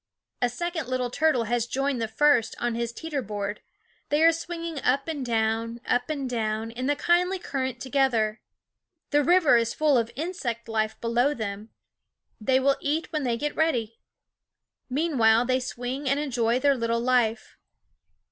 A second little turtle has joined the first on his teeter board ; they are swinging up and down, up and down, in the kindly current together. The river is full of insect life below them ; they will eat when they get ready. Meanwhile they swing and enjoy their little life.